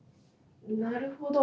なるほど。